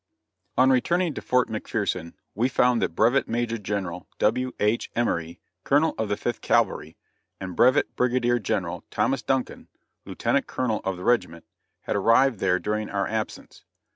On returning to Fort McPherson we found that Brevet Major General W.H. Emory, Colonel of the Fifth Cavalry, and Brevet Brigadier General Thomas Duncan, Lieutenant Colonel of the regiment, had arrived there during our absence.